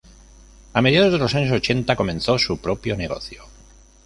A mediados de los años ochenta comenzó su propio negocio.